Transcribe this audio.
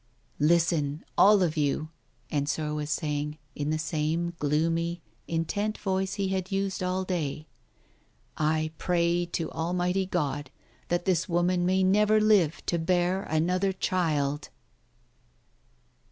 "Listen, all of you !" Ensor was saying, in the same gloomy, intent voice he had used all day. "I pray to r Almighty God that this woman may never live to bear another child